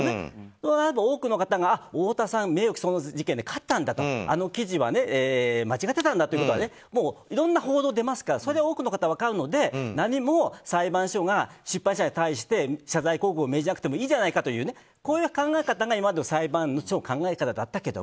となれば多くの方が太田さん、名誉毀損勝ったんだとあの記事は間違ってたんだということはいろんな報道出ますから多くの方が分かりますので何も裁判所側が、出版社側に謝罪広告を命じなくてもいいじゃないかという考え方が今までの裁判の考え方だったけど